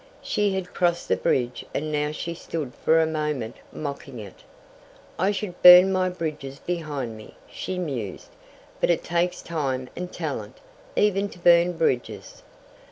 She had crossed the bridge and now she stood for a moment mocking it. "I should burn my bridges behind me," she mused, "but it takes time and talent, even to burn bridges."